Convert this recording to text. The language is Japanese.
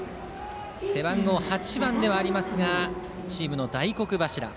背番号８番ではありますがチームの大黒柱。